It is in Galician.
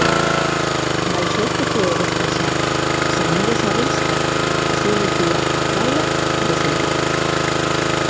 Baixo este ceo despexado, sen nubes á vista, así lucía a praia de Silgar.